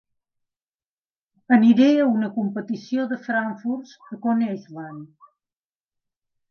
Aniré a una competició de frankfurts a Coney Island.